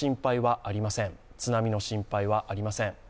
津波の心配はありません。